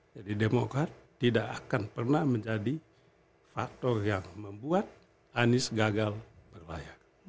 jadi demokrat tidak akan pernah menjadi faktor yang membuat anies gagal berlayar